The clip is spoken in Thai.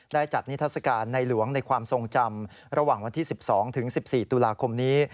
จัดนิทัศกาลในหลวงในความทรงจำระหว่างวันที่๑๒๑๔ตุลาคมนี้